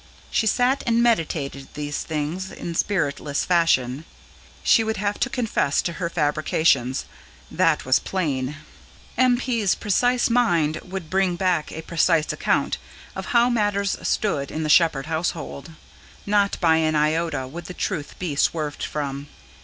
She sat and meditated these things, in spiritless fashion. She would have to confess to her fabrications that was plain. M. P.'s precise mind would bring back a precise account of how matters stood in the Shepherd household: not by an iota would the truth be swerved from.